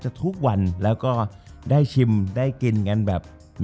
จบการโรงแรมจบการโรงแรม